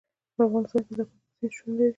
په افغانستان کې د کابل سیند شتون لري.